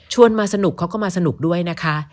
มาสนุกเขาก็มาสนุกด้วยนะคะ